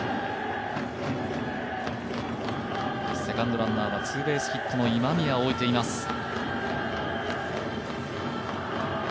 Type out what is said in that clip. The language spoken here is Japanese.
セカンドランナーはツーベースヒットの今宮を置いています。